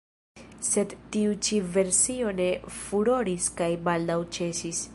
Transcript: Sed tiu ĉi versio ne furoris kaj baldaŭ ĉesis.